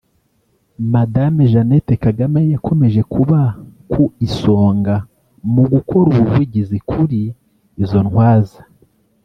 Madame Jeannette Kagame yakomeje kuba ku isonga mu gukora ubuvugizi kuri izo Ntwaza